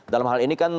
dalam hal ini kan